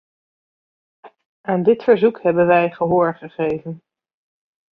Aan dit verzoek hebben wij gehoor gegeven.